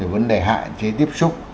vấn đề hạ chế tiếp xúc